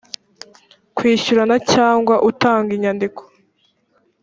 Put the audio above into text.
kwishyurana cyangwa utanga inyandiko